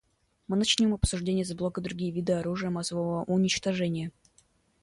Мы начнем обсуждение с блока «Другие виды оружия массового уничтожения».